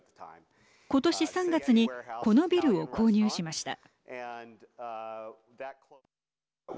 今年３月にこのビルを購入しました。